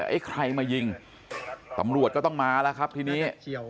ไอ้ใครมายิงตำรวจก็ต้องมาแล้วครับทีนี้